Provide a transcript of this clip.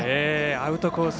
アウトコース